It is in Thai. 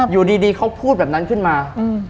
อยู่ดีเขาพูดแบบนั้นขึ้นมา